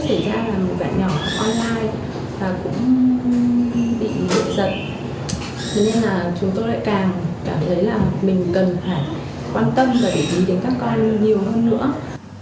công việc các bạn làm cô cũng như vậy nghe được cái giống như thế này cũng rất là đáng tiếc